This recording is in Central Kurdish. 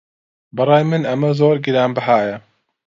بەڕای من ئەمە زۆر گرانبەهایە.